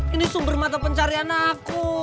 ini sumber mata pencarian aku